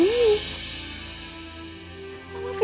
mama pikir afif itu sudah meninggal